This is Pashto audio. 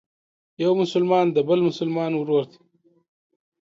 یو مسلمان د بل مسلمان ورور دی.